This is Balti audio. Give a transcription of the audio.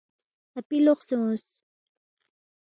اپی لوقسے اونگس